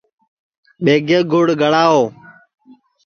ٻیگے گھُڑ گݪاؤ